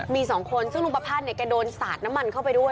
มีสองคนซึ่งลุงประพันธ์เนี่ยแกโดนสาดน้ำมันเข้าไปด้วย